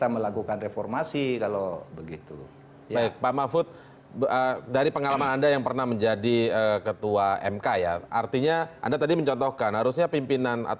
maka saya merasa tidak punya beban